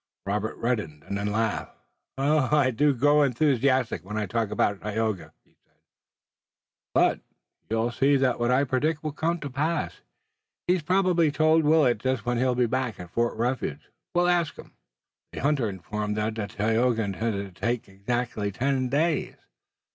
Robert reddened and then laughed. "I do grow enthusiastic when I talk about Tayoga," he said, "but you'll see that what I predict will come to pass. He's probably told Willet just when he'll be back at Fort Refuge. We'll ask him." The hunter informed them that Tayoga intended to take exactly ten days.